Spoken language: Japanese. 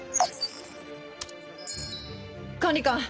管理官！